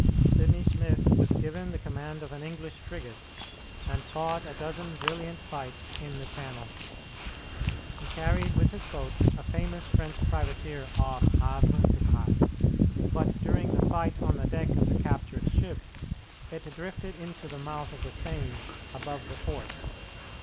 Sidney Smith was given the command of an English frigate, and fought a dozen brilliant fights in the Channel. He carried with his boats a famous French privateer off Havre de Grace; but during the fight on the deck of the captured ship it drifted into the mouth of the Seine above the forts.